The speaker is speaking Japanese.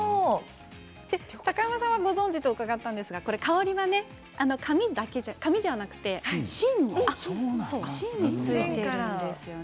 高山さんはご存じと伺ったんですが香りは紙ではなく芯についているんですよね。